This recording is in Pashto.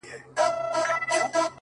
وه ه ته به كله زما شال سې _